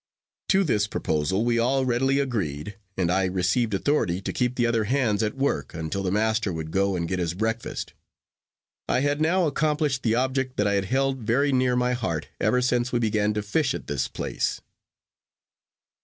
To this proposal we all readily agreed, and I received authority to keep the other hands at work, until the master would go and get his breakfast. I had now accomplished the object that I had held very near my heart ever since we began to fish at this place.